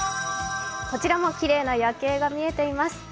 こちらもきれいな夜景が見えています。